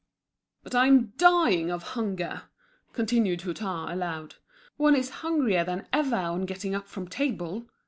"But I'm dying of hunger!" continued Hutin, aloud. "One is hungrier than ever on getting up from table!"